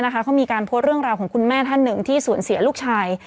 เขามีการโพสต์เรื่องราวของคุณแม่ท่านหนึ่งที่สูญเสียลูกชาย